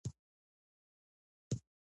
عدالت د زور او فساد مخه نیسي.